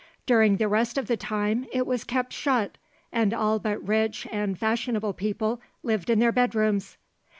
During the rest of the time it was kept shut, and all but rich and fashionable people lived in their bedrooms.